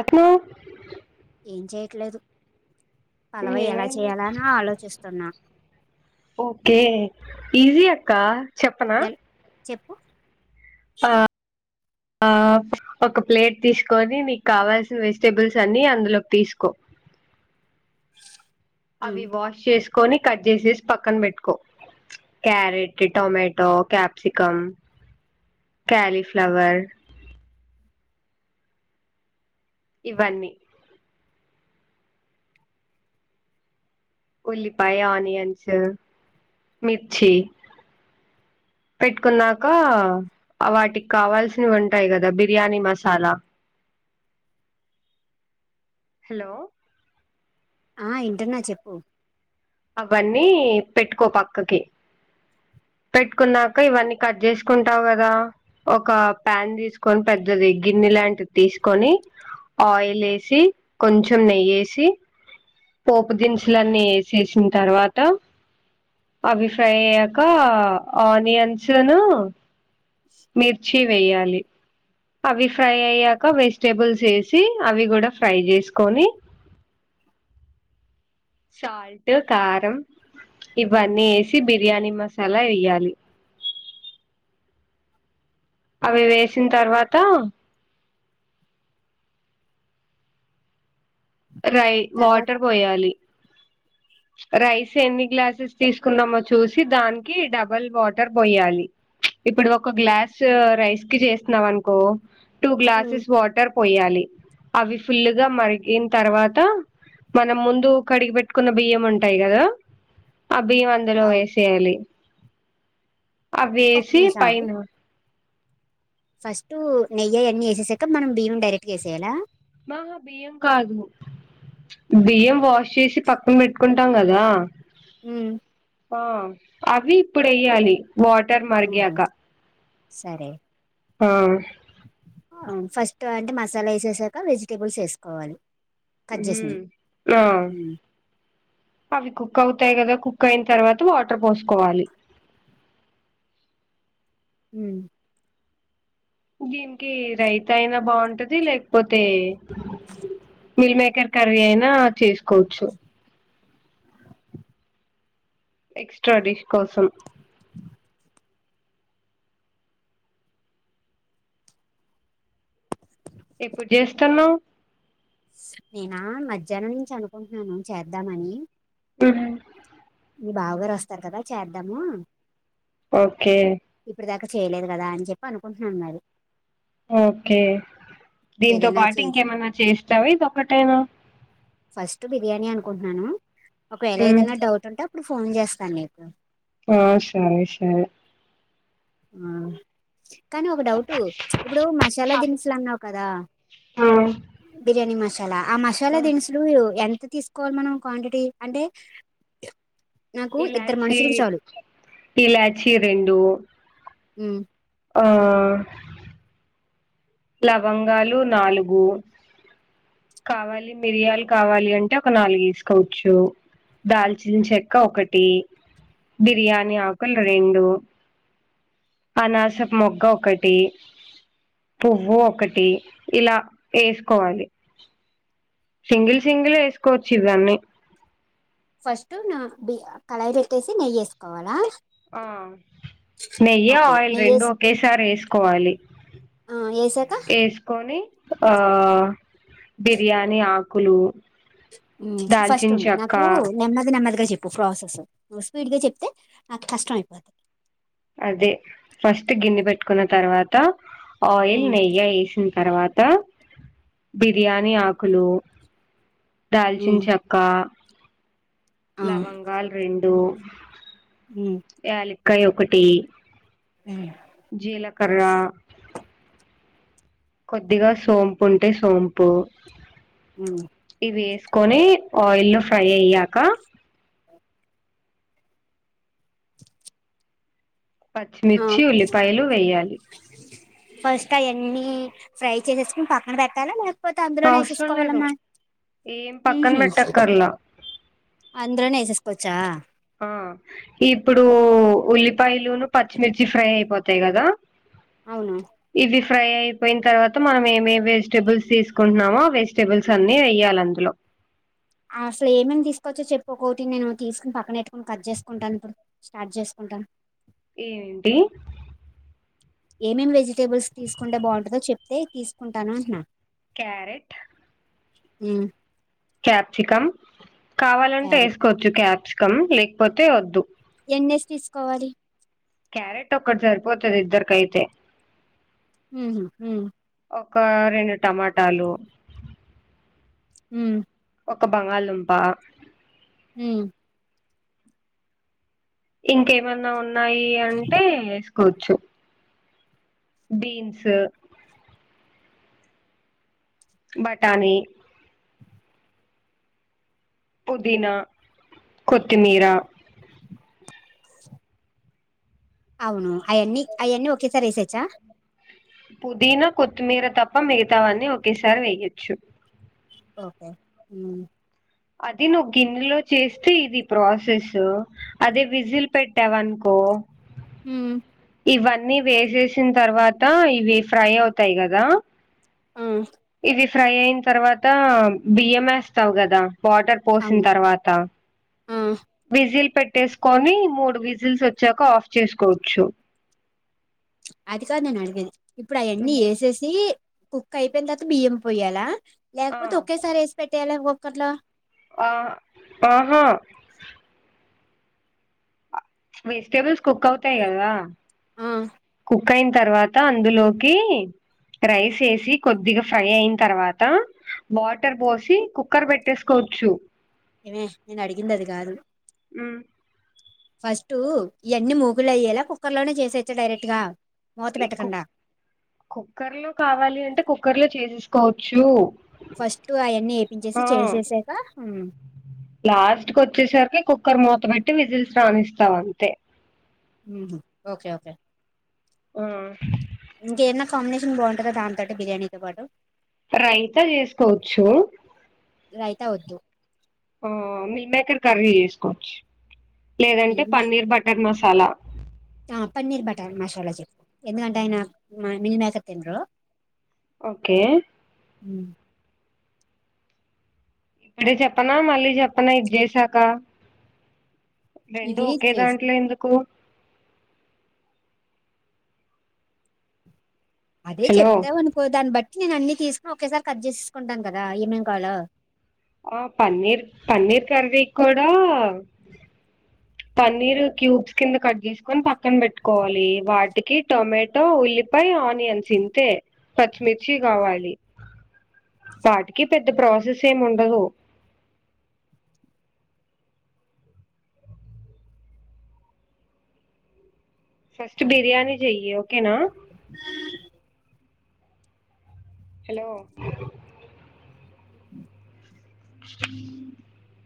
అఖిలా ఏం చేయట్లేదు. పలావ్ ఎలా ఏమైంది చేయాలని ఆలోచిస్తున్నా. ఓకే ఈజీ అక్కా చెప్పనా. ఎల్ చెప్పు అ ఆ ఒక ప్లేట్ తీసుకొని నీకు కావాల్సిన వెజిటేబుల్స్ అన్ని అందులోకి తీసుకో. ఉమ్ అవి వాష్ చేసుకొని కట్ చేసేసి పక్కన పెట్టుకో క్యారెట్, టొమాటో, క్యాప్సికం క్యాలీఫ్లవర్ ఇవన్నీ ఉల్లిపాయ, ఆనియన్స్, మిర్చి. పెట్టుకున్నాక వాటికి కావాల్సినవి ఉంటాయి కదా బిర్యానీ మసాలా. హలో ఆ ఇంటన్నా చెప్పు. అవన్నీ పెట్టుకో పక్కకి. పెట్టుకున్నాక ఇవన్నీ కట్ చేసుకుంటావు కదా, ఒక ప్యాన్ తీసుకొని పెద్దది గిన్నె లాంటిది తీసుకొని ఆయిల్ ఏసి, కొంచెం నెయ్యేసి పోపు దినుసులన్నీ ఏసేసిన తర్వాత అవి ఫ్రై అయ్యాక ఆనియన్స్ను మిర్చి వేయ్యాలి. అవి ఫ్రై అయ్యాక వెజిటేబుల్స్ ఏసి అవి కూడా ఫ్రై చేసుకొని సాల్ టు కారం ఇవన్నీ ఏసి బిర్యానీ మసాలా ఏయాలి. అవి వేసిన తర్వాత రై తర్వాత వాటర్ పోయాలి. రైస్ ఎన్ని గ్లాసెస్ తీసుకున్నామో చూసి దానికి డబల్ వాటర్ పొయ్యాలి ఇప్పుడు ఒక గ్లాస్ రైస్ కి చేసినావ్ అనుకో టూ ఉమ్ గ్లాసెస్ వాటర్ పొయ్యాలి అవి ఫుల్ల్ గా మరిగిన తర్వాత మనం ముందు కడిగి పెట్టుకున్న బియ్యం ఉంటాయి గదా ఆ బియ్యం అందులో అవు వేసేయాలి ఒక్క అవేసి నిమిషం ఆగు పైన ఫస్ట్ నెయ్యి అయన్నీ ఏసేసాక మనం బియం డైరెక్ట్గా ఏసేయాలా బహ బియ్యం కాదు బియ్యం వాష్ చేసి పక్కన పెట్టుకుంటాం కదా ఉ ఆ అవి ఇప్పుడెయ్యాలి వాటర్ ఉహు మరిగాక సరే ఆ ఫస్ట్ అంటే మసాలా వేసేసాక వెజిటేబుల్స్ వేసుకోవాలి కట్ చేసినవి ఊమ్ ఉమ్ ఆ కుక్ అవుతాయి కదా కుక్ అయిన తర్వాత వాటర్ పోసుకోవాలి ఉహ్ దీనికి రైత అయినా బాగుంటది లేకపోతే మిల్ మేకర్ కర్రీ అయినా చేసుకోవచ్చు ఎక్స్ట్రా డిష్ కోసం ఎప్పుడు చేస్తున్నావ్ నేనా మధ్యాహ్నం నుంచి అనుకుంటున్నాను చేద్దామని ఉహు మీ బావుగారు వస్తారు కదా చేద్దాము ఓకే ఇప్పడి దాకా చేయలేదు గదా అని చెప్పి అనుకుంటున్నాను మరి ఓకే దీంతో ఏదైనా పాటు చేసి ఇంకేమన్న చేస్తావ ఇదికటేనా కుంటున్నాను ఒకవేళ ఏదైనా డౌట్ ఉంటే అప్పుడు ఫోన్ జేస్తా నీకు ఆ సరే సరె కానీ ఒక డౌట్ ఇప్పుడు మసాలా దినుసులు అన్నావు కదా ఆ బిర్యాని మసాలా ఆ మసాలా దిన్సులు ఎన్ తే తీసుకోవాలి మనం క్వాంటిటీ అంటే నాకు ఇద్దరు ఇలాచీ మనుషులకు చాలు ఇలాచి రెండు ఉ ఆ లవంగాలు నాలుగు కావాలి మిరియాలు కావాలి అంటే ఒక నాలుగు ఏసుకోవచ్చు దాల్చిన్ చెక్క ఒకటి బిర్యానీ ఆకులు రెండు అనాసప్ మొగ్గ ఒకటి పువ్వు ఒకటి ఇలా ఏసుకోవాలి సింగిల్ సింగిల్ ఏసుకోవచ్చు ఇవన్నీ ఫస్ట్ నా బి కళాయి పెట్టేసి నెయ్యి ఏసుకోవాలా ఆ నెయ్యి ఓకే ఆయిల్ నెయ్యి రెండు వేసి ఒకేసారి ఏసుకోవాలి ఆ, వేసాక ఏస్కొని ఆ బిర్యానీ ఆకులు ఊ ఫస్ట్ దాల్చిన ఉండు చెక్క నాకు నెమ్మది నెమ్మదిగా జె ఫ్రాసెస్ నువ్వు స్పీడ్ గా చెప్తే నాకు కష్టం అయిపోద్ది అదే ఫస్ట్ గిన్నె పెట్టుకున్న తర్వాత ఆయిల్ ఉమ్, నెయ్య ఏసిన్ తర్వాత బిర్యానీ ఆకులు ఉమ్, దాల్చిన్ చెక్క ఆ, లవంగాల్ రెండు హ అ కాై ఒకటి జీలకర్ర కొద్దిగా సోంపు ఉంటే సోంపు ఉమ్. వేసుకొని ఆయిల్లో ఫ్రై అయ్యాక ఆ పచ్చిమిర్చి ఉల్లిపాయలు వేయాలి ఫస్ట్ ఎన్ని ఫ్రై చేసేసుకుని పక్కన పెట్టాలా నాకు పోతే అందులోనే అవసరం లేదు వేసేసుకోవాలమ్మా ఏం పక్కన పెట్టక్కర్లా అంద్రనే ఎేసస్కోొచ్చా ఆ ఇప్పుడు ఉల్లిపాయలున పచ్చిమిర్చి ఫ్రై అయిపోతాయి కదా అవును ఇవి ఫ్రై అయిపోయిన తర్వాత మనం ఏమేమి వెజిటేబుల్స్ తీసుకుంటున్నామో ఆ వెజిటబుల్స్ అన్నిీ వేయాలి అందులో అ అసలు ఏమేమి తీసుకోవచ్చో చెప్ప ఒక్కటి నేను తీసుకుని పక్కన పెట్టుకుని కట్ చేసుకుంటాను ఇప్పుడు స్టార్ట్ చేసుకుంటాను ఏమంటి ఏమేం వెజిటేబుల్స్ తీసుకుంటే బాగుంటందో చెప్తే తీసుకుంటాను అంటున్నా క్యారెట్ హ క్యాప్సికం కావాలంటే క్యారెట్ వేసుకోవచ్చు క్యాప్సికం లేకపోతే వద్దు ఎన్నేస్ తీసుకోవాలి క్యారెట్ ఒక్కటి సరిపోతుది ఇద్దరిక అయితే హ ఒక రెండు టమాటాలు హ ఒక బంగాళంప హ ఇంకేమన్నా ఉన్నాయి అంటే వేసుకోవచ్చు బీన్స్ బటానీి పుదీనా కొత్తిమీరా అవును అవన్నీ అవన్నీ ఒకేసారి వేసేచ్చా పుదీనా కొత్తిమీర తప్ప మిగతావన్నీ ఒకేసారి వెయ్యొచ్చు ఓకే అది నువ్వు గిన్నెలో చేస్తే ఇది ప్రాసెస్ అదే విజిల్ పెట్టావ అనుకో ఓ హ ఇవన్నీ వేసేసిన తర్వాత ఇవి ఫ్రై అవుతాయి కదా ఆ ఇది ఫ్రై అయిన తర్వాత బియ్యం వేస్తావు్ కదా వాటర్ పోసిన అవును తర్వాత ఆ విజిల్ పెట్టి కట్టేసుకొని మూడు విజిల్స్ వచ్చాక ఆఫ్ చేసుకోవచ్చు అది కాదు నేను అడిగేది ఇప్పుడు అవన్నీ వేసేసి కుక్ అయిపోయిన తర్వాత బియ్యం పోయ్యాలా ఆ లేకపోతే ఒకేసారి వేసి పెట్టేయాలా ఒంకొక్కరిలో ఆ ఆహా వెజిటేబుల్స్ కుక్ అవుతాయి కదా ఆ ఉక్కయిన తర్వాత అందులోకి రైస్ వేసి కొద్దిగా ఫ్రై అయిన తర్వాత వాటర్ పోసి కుక్కర్ పెట్టేసుకోవచ్చు ఏమే నేను అడిగింది అది కాదు ఉమ్, ఫస్ట్ ఇవన్ని మూకుల ఎయ్యలా కుక్కర్ లోనే చేసేచ్చా డైరెక్ట్ గా మూత ఈ కు పెట్టకుండా కుక్కర్ లో కావాలి అంటే కుక్కర్ లో చేసేసుకోవచ్చు ఫస్ట్ అవన్నీ ఆ వేపించేసి చేసేసాక లాస్ట్ కొచ్చేసరికి కుక్కర్ మూత పెట్టి విజిల్ రాణిస్తా అంతే ఊహు ఓకే ఓకే ఆ ఇంకేదన్నా కాంబినేషన్ బాగుంటదట దాంతోటి బిర్యానీతో పాటు రైతా చేసుకోవచ్చు తవోదు ఆ మిల్క్ మేకర్ కర్రీ చేసుకోవచ్చు లేదంటే మిల్ మే- పన్నీర్ బటర్ మసాలా తలా ఆ పన్నీర్ బటర్ మసాలా చెప్పు ఎందుకంటే ఆయన మిల్మేకర్ తిన్రు ఓకే ఊ ఇప్పుడే చెప్పనా మళ్ళీ చెప్పనా ఇది చేసాక రెండు ఇది ఒకే చేసి దాంట్ల ఎందుకు అదే హలో చెప్తావనుకో దాన్ని బట్టి నేను అన్ని తీసుకుని ఒకేసారి కట్ చేసేసుకుంటాను కదా ఏమేం కాలో ఆ పన్నీర్ పన్నీర్ కర్రీ కూడా పన్నీర్ క్యూబ్స్ కింద కట్ చేసుకొని పక్కన పెట్టుకోవాలి వాటికి టొమాటో ఉల్లి లిపాయి ఆనియన్స్ ఇంతే పచ్చిమిర్చి కావాలి వాటికి పెద్ద ప్రాసెస్ ఏముండవు ఫస్ట్ బిర్యానీ చెయ్యి ఓకేనా హలో అ